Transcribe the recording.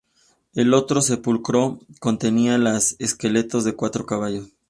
El otro sepulcro contenía los esqueletos de cuatro caballos.